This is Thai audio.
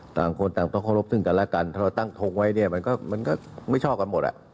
การละกันต้องโต้งไว้ด้วยเนี่ยมันก็ไม่ชอบกันหมดอ่ะ